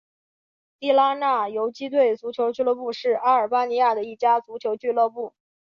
地拉那游击队足球俱乐部是阿尔巴尼亚的一家足球俱乐部。